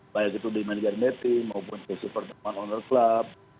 banyak itu di manajer netting maupun pssi pertama owner club